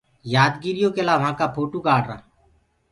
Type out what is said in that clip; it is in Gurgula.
يآدگِريو لآ همي وهآنٚ ڪا ڦوٽو ڪڙوآرآ۔